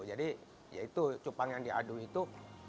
jadi ya itu cupang yang diadu itu